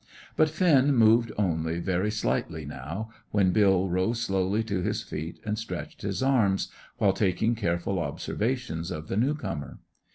But Finn moved only very slightly now, when Bill rose slowly to his feet and stretched his arms, while taking careful observations of the new comer.